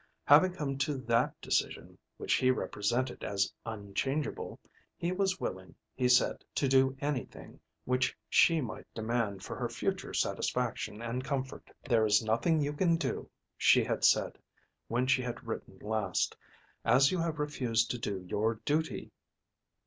Having come to that decision, which he represented as unchangeable, he was willing, he said, to do anything which she might demand for her future satisfaction and comfort. "There is nothing you can do," she had said when she had written last, "as you have refused to do your duty."